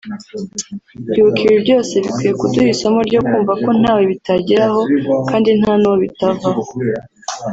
Kwibuka ibi byose bikwiye kuduha isomo ryo kumva ko ntawe bitageraho kandi nta n’uwo bitavaho